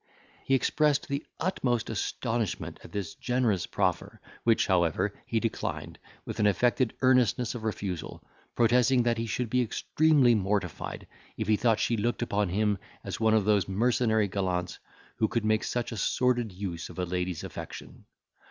He expressed the utmost astonishment at this generous proffer, which, however, he declined, with an affected earnestness of refusal, protesting, that he should be extremely mortified, if he thought she looked upon him as one of those mercenary gallants who could make such a sordid use of a lady's affection.